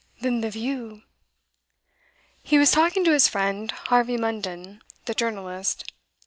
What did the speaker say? Then the view!' He was talking to his friend Harvey Munden, the journalist.